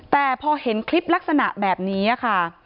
แต่พอเห็นคลิปลักษณะแบบนี้ค่ะ